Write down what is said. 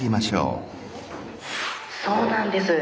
そうなんです。